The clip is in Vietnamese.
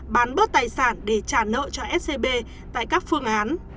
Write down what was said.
bán bớt tài sản để trả nợ cho scb tại các phương án